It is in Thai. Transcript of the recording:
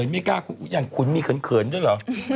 ไม่กล้าคุณอย่างขุนมีเขินด้วยเหรอ